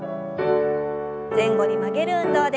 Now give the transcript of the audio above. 前後に曲げる運動です。